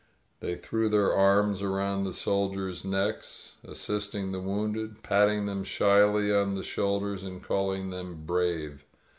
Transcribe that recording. They threw their arms around the soldiers' necks, assisting the wounded, patting them shyly on the shoulders and calling them "brave."